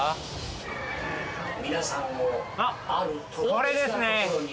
あっこれですね。